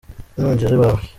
Nugera iwawe